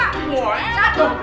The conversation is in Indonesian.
satu beli satu